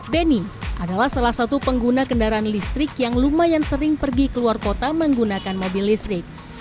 benny adalah salah satu pengguna kendaraan listrik yang lumayan sering pergi ke luar kota menggunakan mobil listrik